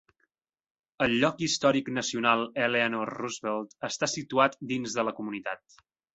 El Lloc Històric Nacional Eleanor Roosevelt està situat dins de la comunitat.